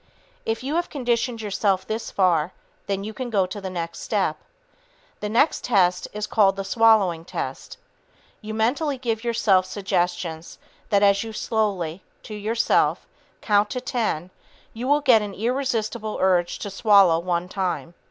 If you have conditioned yourself this far, then you can go to the next step. The next test is called the "swallowing" test. You mentally give yourself suggestions that as you slowly, to yourself, count to 10, you will get an irresistible urge to swallow one time.